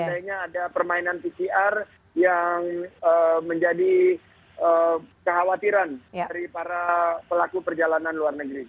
seandainya ada permainan pcr yang menjadi kekhawatiran dari para pelaku perjalanan luar negeri